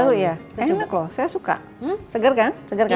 baru ya enak loh saya suka segar kan